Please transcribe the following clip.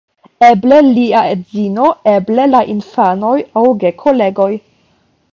Eble lia edzino, eble la infanoj aŭ gekolegoj.